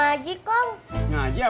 aku mau io